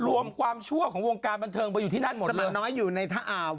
รวมความชั่วของวงการบันเทิงไปอยู่ที่นั่นหมดน้อยอยู่ในทะอ่าว